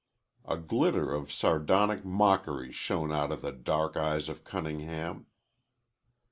A glitter of sardonic mockery shone out of the dark eyes of Cunningham.